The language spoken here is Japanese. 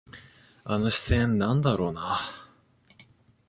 あの視線、なんだろうな。